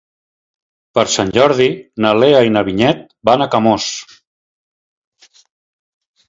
Per Sant Jordi na Lea i na Vinyet van a Camós.